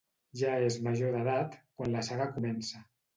Ja és major d'edat quan la saga comença.